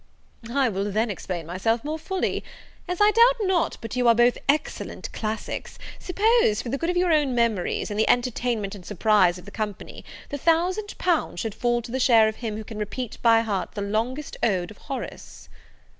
"I will then explain myself more fully. As I doubt not but you are both excellent classics, suppose, for the good of your own memories, and the entertainment and surprise of the company, the thousand pounds should fall to the share of him who can repeat by heart the longest ode of Horace?"